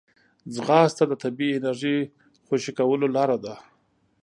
ځغاسته د طبیعي انرژۍ خوشې کولو لاره ده